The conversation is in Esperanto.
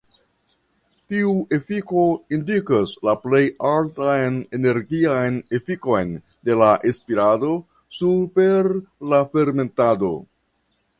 Tiu efiko indikas la plej altan energian efikon de la spirado super la fermentado.